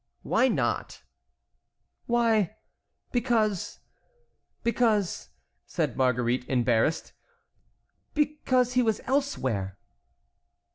"Why not?" "Why, because—because"—said Marguerite, embarrassed, "because he was elsewhere."